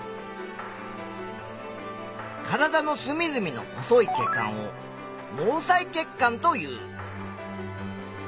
体のすみずみの細い血管を「毛細血管」という。